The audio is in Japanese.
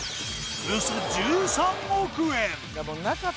およそ１３億円